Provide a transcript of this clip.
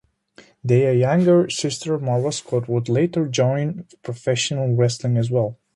Their younger sister Marva Scott would later join professional wrestling as well.